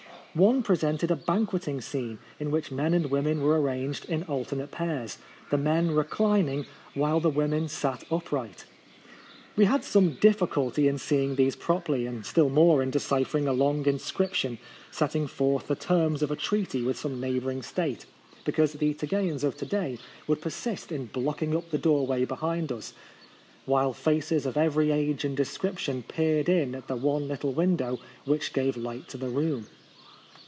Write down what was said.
One re presented a banqueting scene, in which men and women were ar ranged in alternate pairs, the men reclining, while the women sat up right. We had some difficulty in seeing these properly, and still more in deciphering a long inscription setting forth the terms of a treaty with some neighbouring State, be cause the Tegeans of to day would persist in blocking up the doorway behind us; while faces of every age and description peered in at the one little window which gave light to the room.